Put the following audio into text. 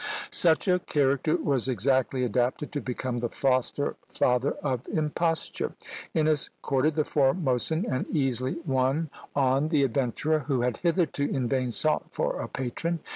Such a character was exactly adapted to become the foster father of imposture. Innes courted the Formosan, and easily won on the adventurer, who had hitherto in vain sought for a patron.